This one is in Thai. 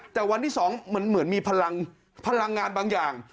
แต่วันที่๒เหมือนมีพลังงานบางอย่าง